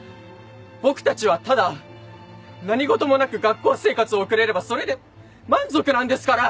僕たちはただ何ごともなく学校生活を送れればそれで満足なんですから！